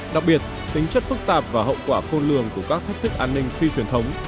đặc biệt tính chất phức tạp và hậu quả khôn lường của các thách thức an ninh phi truyền thống